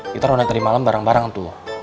kita ronda tadi malem bareng bareng tuh